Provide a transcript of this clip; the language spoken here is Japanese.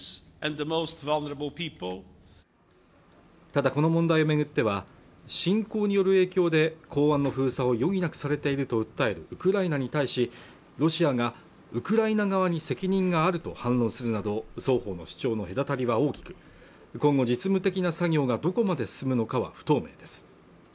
ただこの問題をめぐっては侵攻による影響で港湾の封鎖を余儀なくされていると訴えるウクライナに対しロシアがウクライナ側に責任があると反論するなど双方の主張の隔たりは大きく今後実務的な作業がどこまで進むのかは不透明です